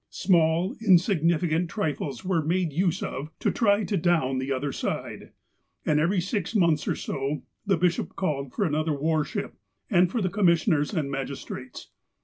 Small, insignificant trifles were made use of to try to "down" the other side, and every six months or so the bishop called for another war ship, and for commissioners and magistrates.